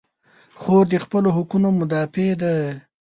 خور د خپلو حقونو مدافع ده.